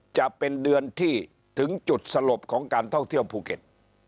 จะเป็นเดือนที่ถึงจุดสลบของการท่องเที่ยวภูเก็ต